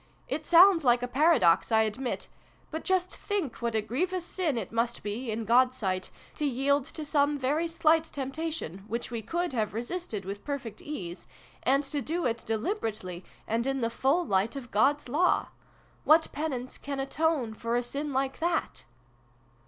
" It sounds like a paradox, I admit. But just think what a grievous sin it must be, in God's sight, to yield to some very slight temptation, which we could have resisted with perfect ease, and to do it deliberately, and in the full light of God's Law. What penance can atone for a sin like that